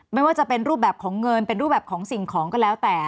ไม่ว่าจะเป็นรูปแบบของเงินเป็นรูปแบบของสิ่งของก็แล้วแต่